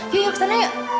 yuk yuk kesana yuk